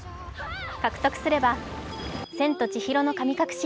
獲得すれば「千と千尋の神隠し」